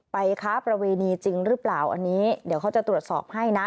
ค้าประเวณีจริงหรือเปล่าอันนี้เดี๋ยวเขาจะตรวจสอบให้นะ